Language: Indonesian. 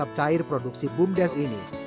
cap cair produksi bumdes ini